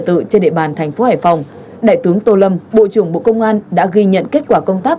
tự trên địa bàn thành phố hải phòng đại tướng tô lâm bộ trưởng bộ công an đã ghi nhận kết quả công tác